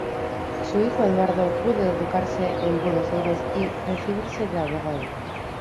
Su hijo Eduardo pudo educarse en Buenos Aires y recibirse de abogado.